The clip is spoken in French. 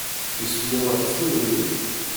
Excusez-moi, qu'est-ce que vous avez dit ?